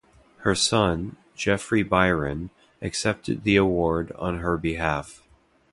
Her son, Jeffrey Byron, accepted the award on her behalf.